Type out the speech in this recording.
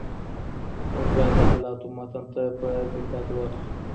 موږ بايد د حالاتو متن ته په دقت ورشو.